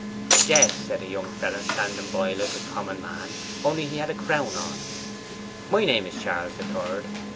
"Yes," said a young feller standing by like a common man, only he had a crown on, "my name is Charles the Third."